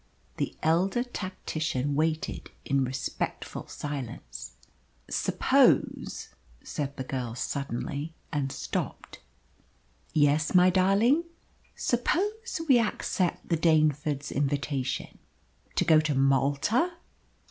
The elder tactician waited in respectful silence. "Suppose " said the girl suddenly, and stopped. "Yes, my darling." "Suppose we accept the Danefords' invitation?" "To go to Malta?"